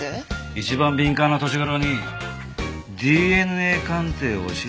一番敏感な年頃にＤＮＡ鑑定を押し付けたって？